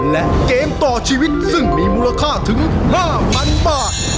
และเกมต่อชีวิตซึ่งมีมูลค่าถึง๕๐๐๐บาท